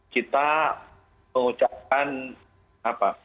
kita mengucapkan apa